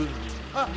あっ！